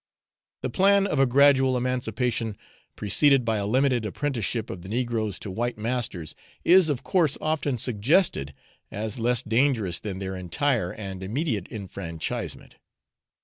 The plan of a gradual emancipation, preceded by a limited apprenticeship of the negroes to white masters, is of course often suggested as less dangerous than their entire and immediate enfranchisement.